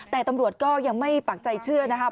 แต่ตำรวจก็ยังไม่ปักใจเชื่อนะครับ